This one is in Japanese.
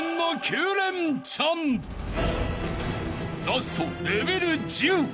［ラストレベル１０］